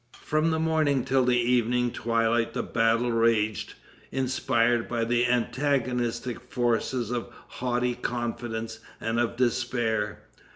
From the morning till the evening twilight the battle raged, inspired by the antagonistic forces of haughty confidence and of despair.